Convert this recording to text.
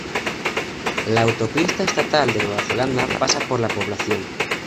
La autopista estatal de Nueva Zelanda pasa por la población.